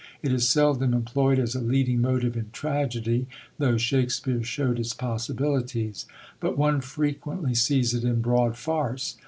It is seldom employed as a leading motive in tragedy, though Shakespeare showed its possibilities; but one frequently sees it in broad farce.